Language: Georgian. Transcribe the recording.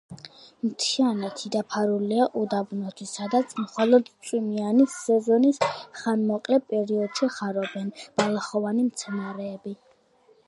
მთიანეთი დაფარულია უდაბნოთი, სადაც მხოლოდ წვიმიანი სეზონის ხანმოკლე პერიოდში ხარობენ ბალახოვანი მცენარეები.